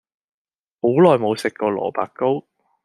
好耐無食過蘿蔔糕